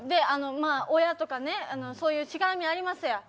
親とかそういうしがらみありますやん